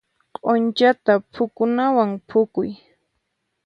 Q'unchata phukunawan phukuy.